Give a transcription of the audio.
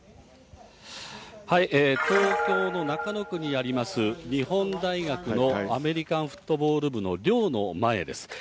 東京の中野区にあります、日本大学のアメリカンフットボール部の寮の前です。